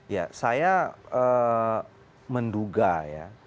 ya saya menduga ya